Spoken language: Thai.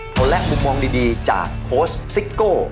เขาและมุมมองดีจากโค้ชซิโก้